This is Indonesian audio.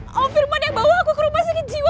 ada om firman yang bawa aku ke rumah sakit jiwa